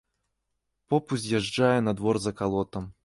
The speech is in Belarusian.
Поп уз'язджае на двор з акалотам.